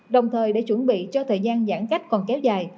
đồng thời để chuẩn bị cho thời gian giãn cách còn kéo dài